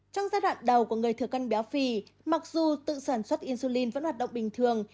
trong giai đoạn đầu của người thừa cân béo phì mặc dù tự sản xuất insulin vẫn hoạt động bình thường